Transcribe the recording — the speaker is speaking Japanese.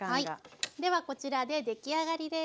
ではこちらで出来上がりです。